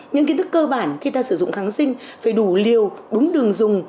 những kiến thức cơ bản khi ta sử dụng kháng sinh phải đủ liều đúng đường dùng